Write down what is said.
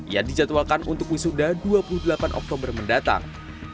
yang dijadwalkan untuk wisuda dua puluh delapan oktober mendatang